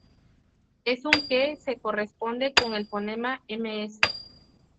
Es un que se corresponde con el fonema ms.